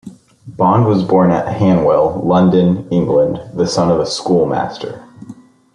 Bond was born at Hanwell, London, England, the son of a schoolmaster.